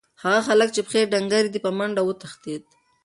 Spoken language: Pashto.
هغه هلک چې پښې یې ډنګرې دي، په منډه وتښتېد.